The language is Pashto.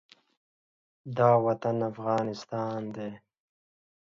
دا وطن افغانستان دی.